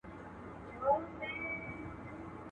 دی قرنطین دی په حجره کي.